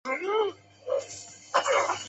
鹿八日虎爪等鹿皮手抄本上。